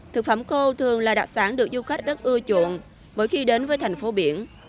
thực phẩm khô thường là đặc sản được du khách rất ưa chuộng mỗi khi đến với thành phố biển